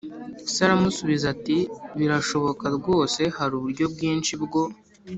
Se aramusubiza ati Birashoboka rwose Hari uburyo bwinshi bwo